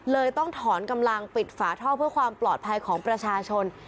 เลยต้องถอนกำลังปิดฝาท่อเพื่อความปลอดภัยของประชาชน